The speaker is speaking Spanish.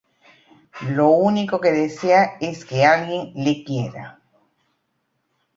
Lo único que desea es que alguien le quiera.